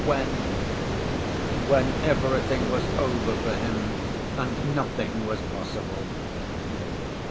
When everything was over for him and nothing was possible!